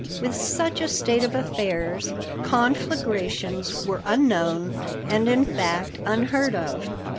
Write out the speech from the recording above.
With such a state of affairs, conflagrations were unknown and, in fact, unheard of.